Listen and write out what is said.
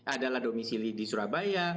adalah domisili di surabaya